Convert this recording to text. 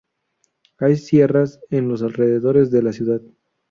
Hay sierras en los alrededores de la ciudad.